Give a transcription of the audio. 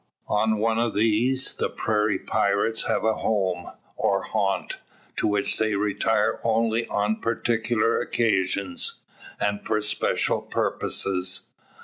On one of these the prairie pirates have a home, or haunt, to which they retire only on particular occasions, and for special purposes.